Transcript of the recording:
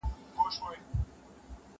موږ د پوهانو مسورې ته اړتيا لرو.